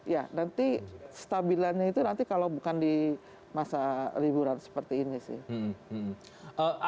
ya nanti stabilannya itu nanti kalau bukan di masa liburan seperti ini sih